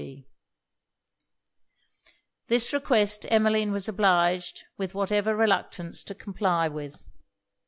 W. G.' This request, Emmeline was obliged, with whatever reluctance, to comply with.